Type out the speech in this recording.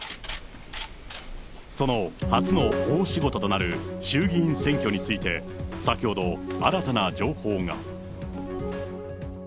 その初の大仕事となる衆議院選挙について、先ほど新たな情報が。